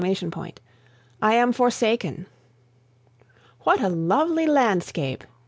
I am forsaken." "What a lovely landscape!"